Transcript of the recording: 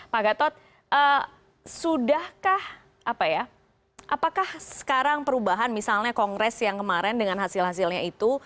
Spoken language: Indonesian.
pak gatot apakah sekarang perubahan misalnya kongres yang kemarin dengan hasil hasilnya itu